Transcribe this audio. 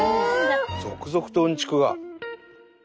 続々とうんちくが。